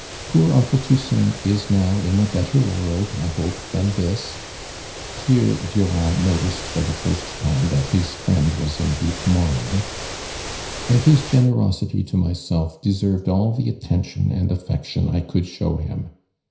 Poor uncle Toussaint is now in a better world I hope than this, (hero Durand noticed for the first time that his friend was in deep mourning) and his generosity to myself deserved all the attention and affection I could show him.